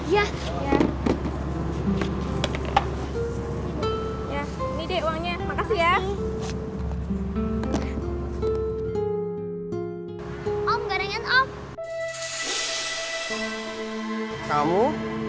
ya ini dek uangnya makasih ya